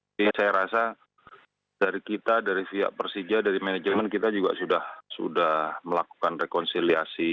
ini saya rasa dari kita dari pihak persija dari manajemen kita juga sudah melakukan rekonsiliasi